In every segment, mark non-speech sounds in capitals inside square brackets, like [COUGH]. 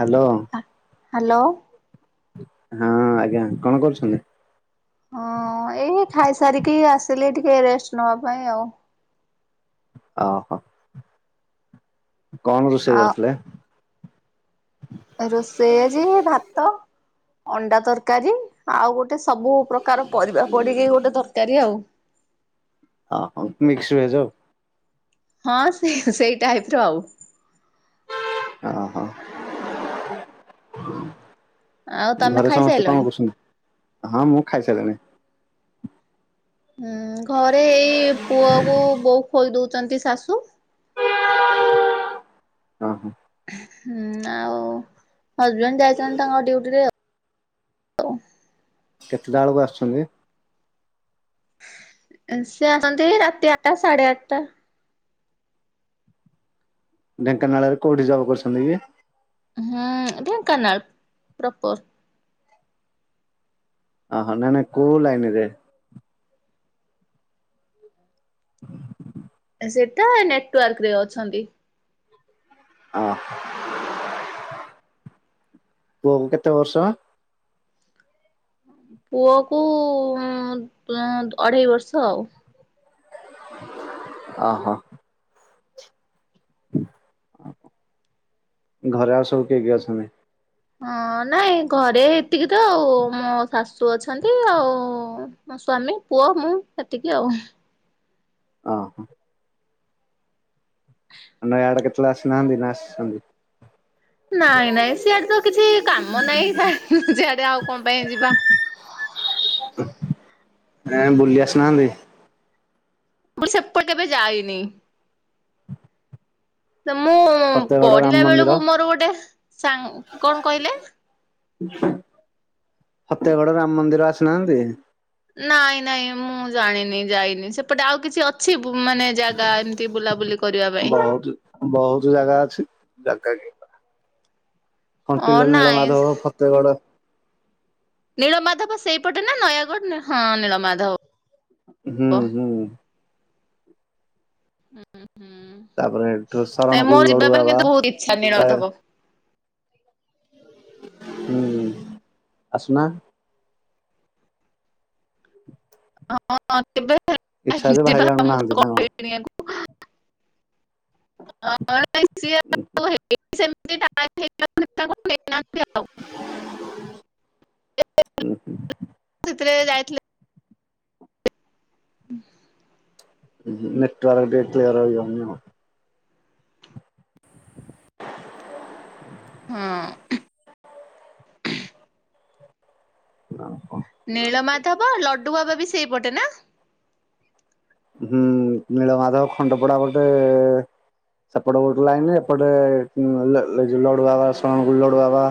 Hello. Hello. ହଁ ଆଜ୍ଞା କଣ କରୁଛନ୍ତି? ହଁ ଏଇ ଖାଇସାରିକି ଆସିଲେ ଟିକେ ରେଷ୍ଟ୍ ନବା ପାଇଁ ଆଉ। ଅହୋ। କଣ ରୋଷେଇ ଆଉ କରିଥିଲେ? ରୋଷେଇ ଆଜି ଭାତ, ଅଣ୍ଡା ତରକାରୀ, ଆଉ ଗୋଟେ ସ୍ ସବୁ ପ୍ରକାର ପରିବା ପଡିକି ଗୋଟେ ତରକାରୀ ଆଉ। ଅ ହଁ ମିକ୍ସଭେଜ ଆଉ। ହଁ ସିଏ ସେଇ ଟାଇପର ଆଉ। ଅହ। ଆଉ ତମେ ଘରେ ସମସ୍ତେ ଖାଇସାରିଲଣି? କଣ କରୁଛନ୍ତି, ହଁ ମୁଁ ଖାଇସାରିଲିଣି। ହୁଁ ଘରେ ଏଇ ପୁଅକୁ ବୋଉ ଖୋଇ ଦୋଉଚନ୍ତି ଶାଶୁ। ଅହ। ହୁଁ ଆଉ ହଜବେଣ୍ଡ୍ ଯାଇଚନ୍ତି ତାଙ୍କ ଡ୍ୟୁଟିରେ ତ କେତେଟା ବେଳକୁ ଆସୁଚନ୍ତି? ଏ ସେ ଆସନ୍ତି ରାତି ଆଟଟା ସାଢ଼େ ଆଟଟା। ଢେଙ୍କାନାଳରେ କୋଉଠି ଜବ କରୁଛନ୍ତି କି? ହୁଁ ଢେଙ୍କାନାଳ ପ୍ରପର୍। ଅହ ନାଇଁ ନାଇଁ କୋଉ ଲାଇନିରେ? ସେଟା ନେଟୱାର୍କରେ ଅଛନ୍ତି। ଅହ। ପୁଅକୁ କେତେ ବର୍ଷ? ପୁଅକୁ ଉଁ-ତୁଁ-ଅଢେଇ ବର୍ଷ ଆଉ। ଅହ। ଅହ ଘରେ ଆଉ ସବୁ କିଏ କିଏ ଅଛନ୍ତି? ଅଁ ନାଇଁ ଘରେ ଏତିକି ତ ଆଉ ମୋ ଶାଶୁ ଅଛନ୍ତି ଆଉ ମ ସ୍ଵାମୀ, ପୁଅ, ମୁଁ ଏତିକି ଆଉ। ଅହ। ଆ ନୟାଗଡ଼ କେତେବେଳେ ଆସିନାହାନ୍ତି ନା ଆସିଛନ୍ତି? ନାଇଁ ନାଇଁ ସିଆଡେ ତ କିଛି କାମ ନାଇଁ ଥାଏ ସିଆଡେ ଆଉ କଣ ପାଇଁ ଯିବା। [INAUDIBLE] ନାଇଁ ଆଉ ବୁଲି ଆସିନାହାନ୍ତି। ମୁଁ ସେପ [UNINTELLIGIBLE] ଜେବେ ଯାଇନି। ତ ମୁଁ ଫତେଗଡ ରାମ ପଢିଲା ମନ୍ଦିର ବେଳକୁ ମୋର ଗୋଟେ ସାଙ୍ଗ କଣ କହିଲେ? [INAUDIBLE] ଫତ୍ୟାଗଡ ରାମ ମନ୍ଦିର ଆସିନାହାନ୍ତି? ନାଇଁ ନାଇଁ ମୁଁ ଜାଣିନି, ଯାଇନି ସେପଟେ ଆଉ କିଛି ଅଛି? ମାନେ ଜାଗା ଏମତି ବୁଲାବୁଲି କରିବା ପାଇଁ। ବହୁତ ବହୁତ ଜାଗା ଅଛି। ଜାଗା କି ଅ ଖଣ୍ଟିିଲୋ ନାଇଁ ନୀଳମାଧବ ଫତେଗଡ ନୀଳମାଧବ ସେଇପଟେ ନା ନୟାଗଡ଼ ନା ହଁ ନୀଳମାଧବ। ହୁଁ ହୁଁ। ହୁଁ ହୁଁ, ତାପରେ ଏଠୁ କାଇଁ ଶରଣକୁ ମୋ ଲଡୁ ଯିବା ପାଇଁ ବାବା କିନ୍ତୁ ବହୁତ ଇଛା ନୀଳମାଧବ। ହଁ ଆସୁନା? ହଁ। କେବେ ଇଚ୍ଛା ଅଛି ଯିବା ଭାଇ ଆଣୁ ମୁଁ ତ ନାହାନ୍ତି ନା କଣ? କହିବିନି ୟାଙ୍କୁ [UNINTELLIGIBLE] ହୁ ହ [UNINTELLIGIBLE] [UNINTELLIGIBLE] ତ ଯାଇଥିଲେ ହୁ [INAUDIBLE] ନେଟୱର୍କ ଟିକେ କ୍ଲିୟର ହୋଇଯାଉନି ହଁ। ହଁ [INAUDIBLE] ନୀଳମାଧବ ଲଡୁ ଵାବା ବି ସେଇପଟେ ନା? ହୁଁ ନୀଳମାଧବ ଖଣ୍ଡପଡା ଗୋଟେ ସେପଟ ଗୋଟେ ଲାଇନ ରେ ଏପଟେ ଲ ଲ ଲଡୁ ଵାବା [UNINTELLIGIBLE] ଲଡୁ ଵାବା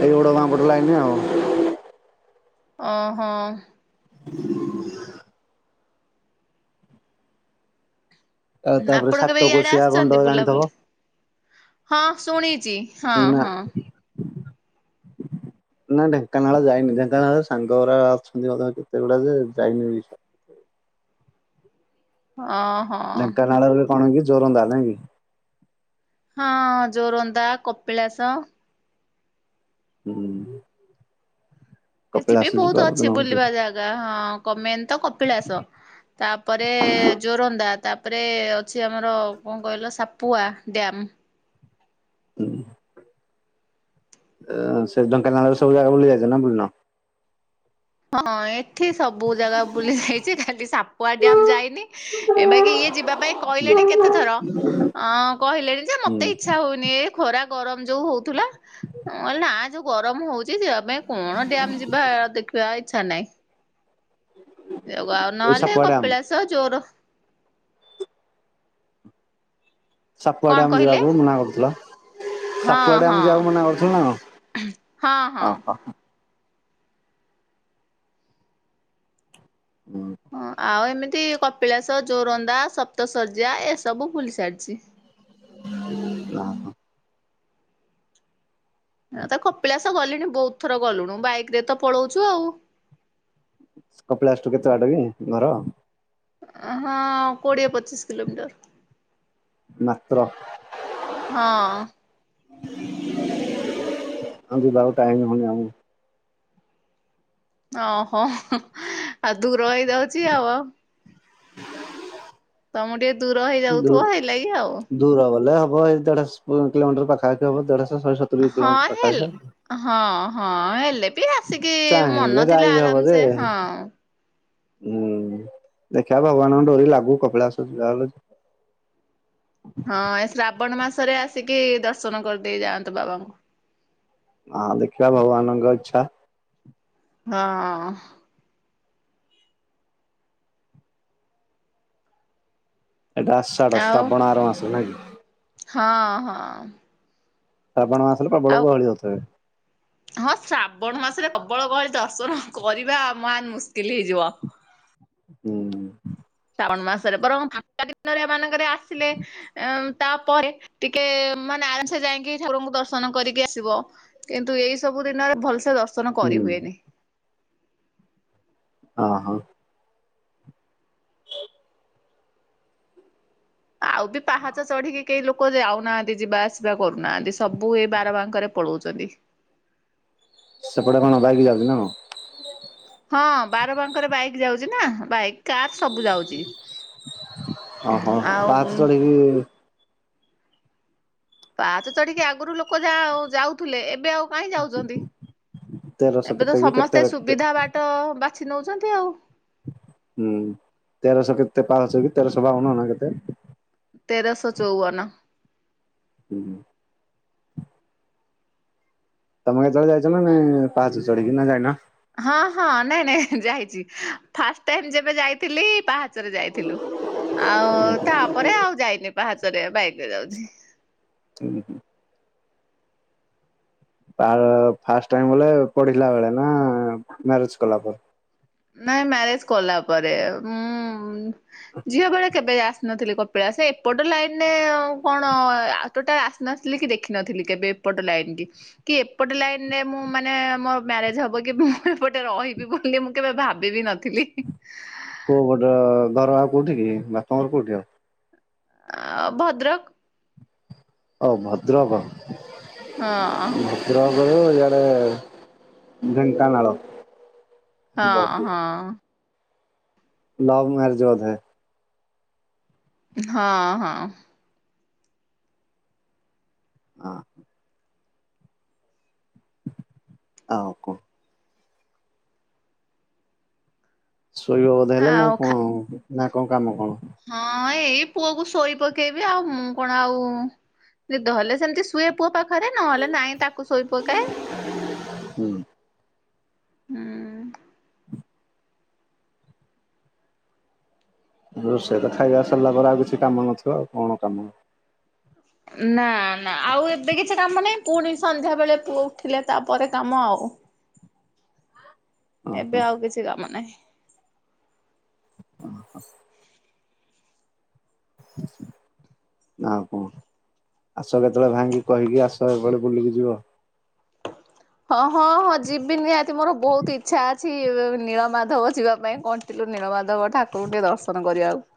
ଏ [UNINTELLIGIBLE] ବଡ ଗାଁ ପଟ ଲାଇନି ଆଉ ଓ ହୋ। ହୁଁ [INAUDIBLE] ଆଉ ତାପରେ ଆପଣ କେବେ ଇଆଡେ ସାତକୋଶିଆ ଆସିଛନ୍ତି ଗଣ୍ଡ ଜାଣିଥବ। ବୁଲାବୁଲି ହଁ ଶୁଣିଛି ହଁ ନା। ହଁ। ନା ଢେଙ୍କାନାଳ ଯାଇନି ଢେଙ୍କାନାଳରେ ସାଙ୍ଗ ଗୁରା ଅଛନ୍ତି କେତେଗୁଡା ଯେ ଯାଇନି [UNINTELLIGIBLE] ବିୟ ହଁ [INAUDIBLE] ଓହୋ। ଢେଙ୍କାନାଳରେ କଣ କି ଜରନ୍ଦା ନାଇକି? ହଁ ଜୋରନ୍ଦା, କପିଳାସ ହୁଁ [INAUDIBLE] ଏଥିପ କପିଳାସ ଯିବା ବହୁତ କୋଉଦିନ ଅଛି ହଉଛି ବୁଲିବା ଜାଗା ହଁ କମେନ୍ ତ କପିଳାସ ତାପରେ ଜୋରନ୍ଧା ତାପରେ ଅଛି ଆମର କଣ କହିଲ ସାପୁଆ ଡ୍ୟାମ ହୁଁ। ସେ ଢେଙ୍କାନାଳରେ ସବୁ ଜାଗା ବୁଲି ଯାଇଛ ନା ବୁଲିନ? ହଁ ଏଠି ସବୁ ଜାଗା ବୁଲି ଯାଇଛି କାଲି ସାପୁଆ ଡ୍ୟମ୍ ଯାଇନି ଏ ବାକି ଇଏ ଯିବା ପାଇଁ କହିଲେଣି କେତେଥର ହଁ କହିଲେଣି ଯେ ହୁଁ ମତେ ଇଚ୍ଛା ହଉନି ଏ ଖରା ଗରମ ଯୋଉ ହଉଥିଲା ନା ଯୋଉ ଗରମ ହଉଛି ଯିବା ପାଇଁ କଣ ଡ୍ଯାମ୍ ଯିବା ଦେଖିବା ଇଚ୍ଛା ନାହିଁ [UNINTELLIGIBLE] ଯଗା ଏଇ ନହେଲେ ସାପୁଆ ଡ୍ୟାମ୍ କପିଳାସ ଚୋର ସାପୁଆ କଣ ଡ୍ୟାମ୍ କହିଲେ ଯିବାକୁ ମନା କରୁଥିଲା ହଁ ସାପୁଆ ହଁ। ଡ୍ୟାମ୍ ଯିଵାକୁ ମନା କରୁଥିଲୁ ନା କଣ ହଁ ଆ ହଁ। ହା ହଁ ଆଉ ଏମିତି କପିଳାସ ଜୋରନ୍ଦା ସପ୍ତ ଶର୍ଯ୍ୟା ଏସବୁ ଭୁଲି ସାରିଛି ହଁ ହଁ। ଏ ତ କପିଳାସ ଗଲିଣି ବୋହୁତ ଥର ଗଲୁଣୁ ବାଇକ୍ ରେ ତ ପଳଉଚୁ ଆଉ। କପିଳାସଠୁ କେତେ ବାଟ କି ଘର? ଅଁ ହଁ କୋଡ଼ିଏ ପଚିଶ କିଲୋମିଟର୍। ମାତ୍ର। ହଁ। ଆଁ ଯିବାକୁ ଟାଇମ୍ ହଉନି ଆମୁ। ଅହ ଆଉ ଦୂର ହେଇଯାଉଚି ଆଉ ଆଉ। ତମୁ ଟିକେ ଦୂର ହେଇଯାଉଥୁବ ହେଇଲାଗି ଆଉ। ବ ଏଇ ଦେଢ଼ଶ ପୁ କିଲୋମିଟର୍ ପାଖାପଖି ହବ ଦେଢ଼ଶ ହଁ ହେଲ ହଁ ହଁ ହେଲେ ବି ଆସିକି ଚାହିଁଲେ ମନଥିଲେ ଯାଇ ଆରାମସେ ହଁ। ହୁଁ ଦେଖିବା ଭଗବାନଙ୍କ ଡୋରି ଲାଗୁ କପିଳାଶ ଯିବା ହେଲେ। ହଁ ଏ ଶ୍ରାବଣ ମାସରେ ଆସିକି ଦର୍ଶନ କରିଦେଇ ଯାଆନ୍ତୁ ବାବାଙ୍କୁ। ହଁ ଦେଖିବା ଭଗବାନଙ୍କ ଇଚ୍ଛା। ହଁ। ଏଟା ଆଷାଢ଼ ଆଉ ଶ୍ରାବଣ ଆର ମାସ ନାଁ କି? ହଁ ହଁ। ଶ୍ରାବଣ ମାସରେ ପ୍ରବଳ ଆଉ ଗହଳି ହଉଥୁବେ। ହଁ ଶ୍ରାବଣ ମାସରେ ପ୍ରବଳ ଗହଳି ଦର୍ଶନ କରିବା ମହାନ ମୁସ୍କିଲ ହେଇଯିବ। ହୁଁ। କଣ ମାସରେ ବରଂ ଫାଙ୍କା ଦିନରେ ଏ ମାନଙ୍କରେ ଆସିଲେ ଏଉଁ ତାପରେ ଟିକେ ମାନେ ଆରାମସେ ଯାଇଁକି ଠାକୁରଙ୍କୁ ଦର୍ଶନ କରିକି ଆସିବ କିନ୍ତୁ ଏଇ ସବୁ ଦିନରେ ଭଲସେ ଦ ସନ କରି ହୁଁ। ହୁଏନି। ଅ ହଁ। ଆଉ ବି ପାହାଚ ଚଢ଼ିକି କେହି ଲୋକ ଯାଉନାହାନ୍ତି ଯିବା ଆସିବା କରୁନାହାନ୍ତି ସବୁ ଏ ବାର ବାଙ୍କରେ ପଳଉଚନ୍ତି। ସେପଟେ କଣ ବାଇକ୍ ଯାଉଚି ନାଁ କଣ? ହଁ ବାର ବାଙ୍କରେ ବାଇକ୍ ଯାଉଚି ନାଁ ବାଇକ୍ କାର୍ ସବୁ ଯାଉଚି ଉଁ ଓହୋ ପାହାଚ ଆଉ ଚଢିକି ପାହାଚ ଚଢ଼ିକି ଆଗୁରୁ ଲୋକ ଯାଉ ଯାଉଥୁଲେ ଏବେ ଆଉ କାଇଁ ଯାଉନ୍ତି ତେରଶହ ଏବେ ତ କେତେ କି କେତେ ସମସ୍ତେ ହୁଁ। ସୁବିଧା ବାଟ ବା ଛି ନୋଉଛନ୍ତି ଆଉ। ହୁଁ ତେରଶ କେତେ ପାହାଚ କି ତେରଶ ବାଉନ ନାଁ କେତେ? ତେରସ ଚୋଉବନ। ହୁଁ। ତମେ କେତୋଳେ ଯାଇଚ ନାଁ ନାଁ ପାହାଚ ଚଢ଼ିକି ନାଁ ଯାଇନ? ହଁ ହଁ ନାଇଁ ନାଇଁ ଯାଇଚି ଫାଷ୍ଟ ଟାଇମ୍ ଯେବେ ଯାଇଥିଲି ପାହାଚରେ ଯାଇଥିଲୁ। ଆଉ ତାପରେ ଆଉ ଯାଇନି ପାହାଚରେ ବାଇକ୍ ରେ ଯାଉଚି। ଉଁ ହୁଁ। ପା ଫାଷ୍ଟ ଟାଇମ୍ ବଲେ ପଢ଼ିଲା ବେଳେ ନାଁ ମ୍ୟାରେଜ୍ କଲା ପ ନାଇଁ ମ୍ୟାରେଜ୍ କଲା ପରେ ମୁଁ ଝିଅ ବେଳେ କେବେ ଆସିନଥିଲି କପିଳାସ ଏପଟ ଲାଇନ୍ ରେ ଉ କଣ ଆ ଟୋଟା ଆସିନଥିଲି କି ଦେଖିନଥି ଲି କେବେ ଏପଟ ଲାଇନ୍ କି କି ଏପଟ ଲାଇନ୍ ରେ ମୁଁ ମାନେ ମୋ ମ୍ୟାରେଜ୍ ହବ କେବେ ମୁଁ ଏପଟେ ର ଅହିବି ବୋଲି ମୁଁ କେବେ ଭାବି ବି ନଥିଲି। କୋଉ ପଟ ଘର ଆଉ କୋଉଠି କି ବାପଘର କୋଉଠି ଆଉ? ଆ ଭଦ୍ରକ୍। ଅ ଭଦ୍ରକ। ହଁ। ଓହୋ ଇଆଡ଼େ ଢ଼େଙ୍କାନାଳ। ହଁ ହଁ। ଲଭ ମ୍ୟାରେଜ୍ ବୋଧେ? ହଁ ହଁ। ହଁ। ଆଉ କଣ ଶୋଇବା ବୋଧ ଅଇଲେ ନା ଆଉ ଖା କଣ ନା କଣ କାମ କଣ? ହଁ ଏଇ ପୁଅକୁ ଶୋଇ ପକେଇବି ଆଉ ମୁଁ କଣ ଆଉ ନିଦ ହେଲେ ସେମିତି ସୁଏ ପୁଅ ପାଖ ଖରେ ନହେଲେ ନାଇଁ ତାକୁ ଶୋଇ ପକାଏ ହୁଁ ହୁଁ। ରୋଷେଇ ତ ଖାଇବା ସରିଲା ପରେ ଆଉ କିଛି କାମ ନଥିବ ଆଉ କଣ କାମ। ନା ନା ଆଉ ଏବେ କିଛି କାମ ନାହିଁ ପୁଣି ସନ୍ଧ୍ୟା ବେଳେ ପୁଅ ଉଠିଲେ ତାପରେ ପରେ କାମ ଆଉ ଓହୋ ଏବେ ଆଉ କିଛି କାମ ନାହିଁ। ଓହୋ। ନା କଣ ଆସ କେତେବେଳେ ଭାଇଙ୍କି କହିକି ଆସ ଏପଟେ ବୁଲିକି ଯିବ। ହଁ ହଁ ହଁ ଯିବିନି ନିହାତି ମୋର ବହୁତ ଇଛା ଅଛି ନୀଳ ମାଧବ ଯିବା ପାଇଁ କଣ୍ଟିଲୋ ନୀଳମାଧବ ଠାକୁରଙ୍କୁ ଟିକେ ଦର୍ଶନ କରିବାକୁ।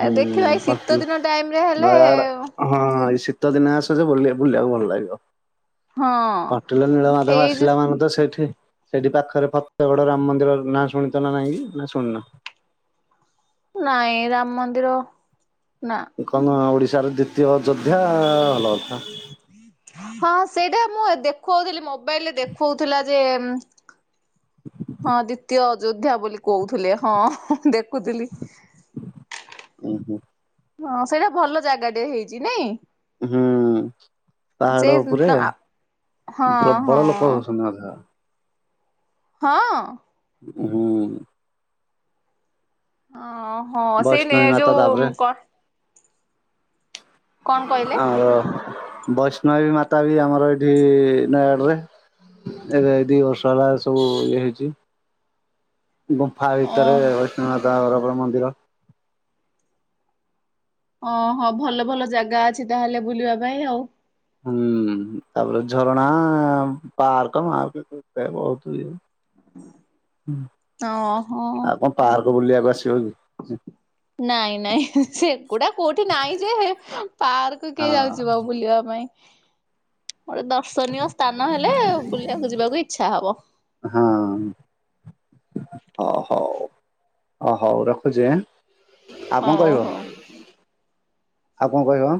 ହୁଁ ଦେଖିବା ଏଇ ଶୀତ କଣ୍ଟିଲୋ ଦିନ ଟାଇମ ରେ ନୟାଗଡ଼ ହେଲେ ହଁ ଶୀତ ଦିନ ଆସ ଯେ ବୁଲେ ବୁଲିବାକୁ ଭଲ ଲାଗିବ ହଁ କଣ୍ଟିଲୋ ନୀଳ ମାଧ୍ୟମ ଏଇ ଆସିଲା ଯୋଉ ମାନେ ତ ସେଇଠି ସେଠି ପାଖରେ ଫତେଇଗଡ ରାମ ମନ୍ଦିର ନାଁ ଶୁଣିଚ ନା ନାଇଁ ନା ଶୁଣିନ? ନାଇଁ ରାମ ମନ୍ଦିର ନା କଣ ଓଡିଶାର ଦ୍ଵିତୀୟ ଅଯୋଧ୍ୟା ଭଲ କଥା ହଁ ସେଇଟା ମୁଁ ଦେଖଉଥିଲି ମୋବାଇଲରେ ଦେଖଉଥିଲା ଯେ ଉଁ ମଁ ହଁ ଦ୍ଵିତୀୟ ଅଯୋଧ୍ୟା ବୋଲି କହୁଥିଲେ ହଁ ଦେଖ ଦେଖୁଥିଲି ଉଁ ହୁଁ ହଁ ସେଇଟା ଭଲ ଜାଗା ଟେ ହେଇଛି ନାଇଁ? ହୁଁ ପାହାଡ ସେଇ ଉପରେ ହଁ ହଁ ପ୍ରବଳ ଲୋକ ହୋଉଛନ୍ତି [UNINTELLIGIBLE] ହଁ। ହୁଁ। ଓହୋ ସେଇ ନେ ବୈଷ୍ଣବୀ ମାତା ତାପରେ ଯୋଉ କ କଣ କହିଲେ? ଆମର ବୈଷ୍ଣବୀ ମାତା ବି ଆମର ଏଇଠି ନୟାଗଡରେ ଏବେ ଏ ଦି ବର୍ଷ ହେଲା ସବୁ ଇଏ ହେଇଚି ଗୁମ୍ଫା ଓ ଭିତରେ ବୈଷ୍ଣବି ମାତାଙ୍କ ର ପୁରା ମନ୍ଦିର ଓ ହୋ ଭଲ ଭଲ ଜାଗା ଅଛି ତାହେଲେ ବୁଲିବା ପାଇଁ ଆଉ। ହୁଁ ତାପରେ ଝରଣା ପାର୍କ ମାର୍କ କେତେ ବହୁତ ଇଏ ଓ ହୋ ବୁଲିଆକୁ ଆସିବ କି? ନାଇଁ ନାଇଁ ସେଗୁଡା କୋଉଠି ନାଇଁ ଯେ ପାର୍କ ହଁ କିଏ ଯାଉଚି ବା ବୁଲିବା ପାଇଁ। ମୋରେ ଦର୍ଶନୀୟ ସ୍ଥାନ ହେଲେ ବୁଲିବାକୁ ଯିବାକୁ ଇଚ୍ଛା ହବ। ଓ ହୋଉ। ଓ ହଉ ରଖୁଚି ଆଁ। ଆଉ କଣ ହଉ କହିବ ହଉ। ଆଉ କଣ କହିବ?